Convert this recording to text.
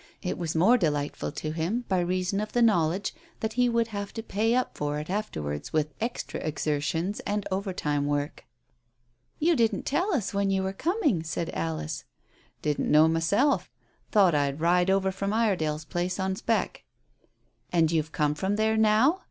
It was more delightful to him by reason of the knowledge that he would have to pay up for it afterwards with extra exertions and overtime work. "You didn't tell us when you were coming," said Alice. "Didn't know myself. Thought I'd ride over from Iredale's place on spec'." "And you're come from there now?"